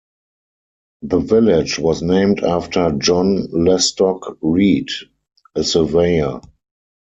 The village was named after John Lestock Reid, a surveyor.